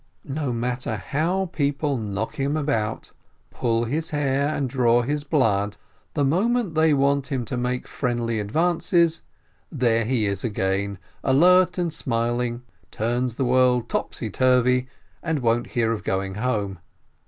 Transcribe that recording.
No matter how people knock him about, pull his hair, and draw his blood, the moment they want him to make friendly advances, there he is again, alert and smiling, turns the world topsyturvy, and won't hear of going home.